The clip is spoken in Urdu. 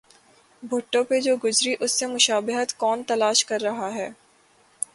بھٹو پہ جو گزری اس سے مشابہت کون تلاش کر رہا ہے؟